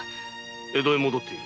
江戸へ戻っている。